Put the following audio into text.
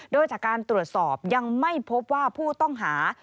โดยจากการตรวจสอบยังไม่พบว่าผู้ต้องหา